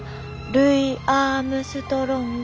ルイ・アームストロング？